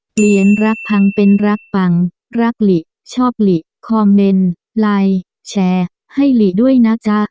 รักพังเป็นรักปังรักหลิชอบหลีคอมเมนต์ไลน์แชร์ให้หลีด้วยนะจ๊ะ